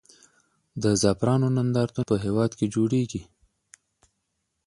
د زعفرانو نندارتونونه په هېواد کې جوړېږي.